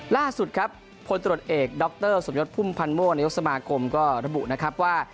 ล่าสุดครับพลตรวจเอกดรสมยศพุ่มพันธ์โมนายกสมาคมก็ระบุนะครับว่า